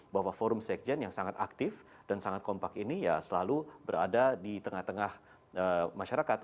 bahwa forum sekjen yang sangat aktif dan sangat kompak ini ya selalu berada di tengah tengah masyarakat